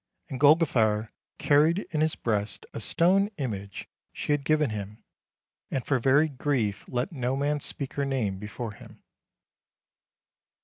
And Golgothar carried in his breast a stone image she had given him, and for very grief let no man speak her name before him.